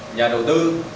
nhà đầu tư